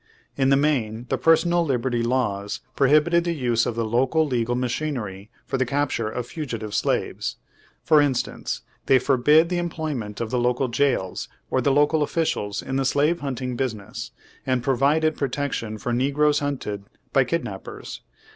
In the main the Personal Liberty Laws pro hibited the use of the local legal machinery for the capture of fugitive slaves. For instance, they forbid the employment of the local jails or the local officials in the slave hunting business; and provided protection for negroes hunted by kid nappers.